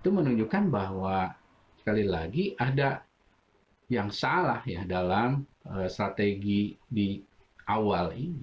itu menunjukkan bahwa sekali lagi ada yang salah ya dalam strategi di awal ini